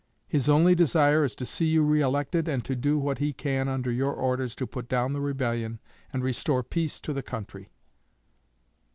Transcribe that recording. His only desire is to see you re elected and to do what he can under your orders to put down the rebellion and restore peace to the country.'